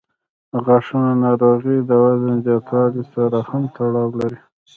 د غاښونو ناروغۍ د وزن زیاتوالي سره هم تړاو لري.